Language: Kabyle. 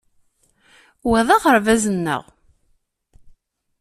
Wa d aɣerbaz-nneɣ.